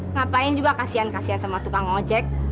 ngapain juga kasian kasihan sama tukang ojek